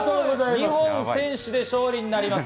２本先取で勝利になります。